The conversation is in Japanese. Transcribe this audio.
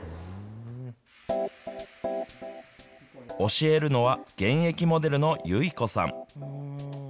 教えるのは、現役モデルの結子さん。